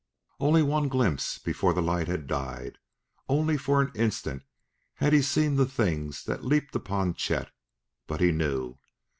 Only one glimpse before the light had died; only for an instant had he seen the things that leaped upon Chet but he knew!